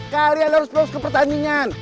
karya harus terus kepertandingan